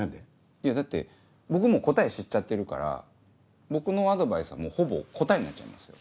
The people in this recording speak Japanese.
いやだって僕もう答え知っちゃってるから僕のアドバイスはもうほぼ答えになっちゃいますよ。